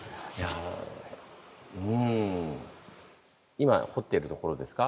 今掘ってるところですか？